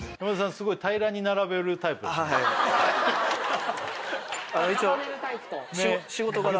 すごい平らに並べるタイプ一応仕事柄